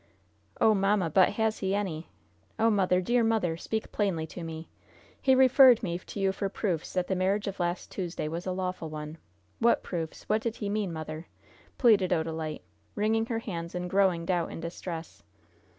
"Oh, mamma, but has he any? Oh, mother, dear mother, speak plainly to me! He referred me to you for proofs that the marriage of last Tuesday was a lawful one. What proofs? What did he mean, mother?" pleaded Odalite, wringing her hands in growing doubt and distress.